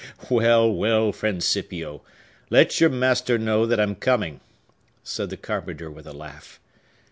"Well, well, friend Scipio; let your master know that I'm coming," said the carpenter with a laugh.